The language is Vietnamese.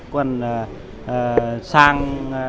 còn sáng hai nghìn một mươi bảy